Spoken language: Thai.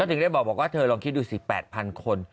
ถึงได้บอกว่าเธอลองคิดดูสิ๘๐๐คน